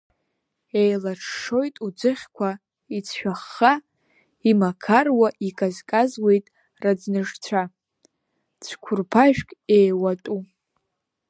Еилаҽҽоит уӡыхьқәа иӡшәахха, имақаруа, иказказуеит раӡнышшәа цәқәырԥашәк еиуатәу.